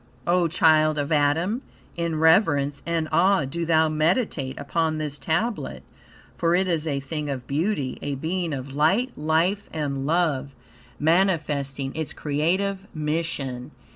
O child of Adam, in reverence and awe do thou meditate upon this Tablet, for it is a thing of beauty, a being of light, life and love, manifesting its creative mission.